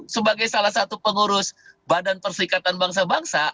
sebagai salah satu pengurus badan perserikatan bangsa bangsa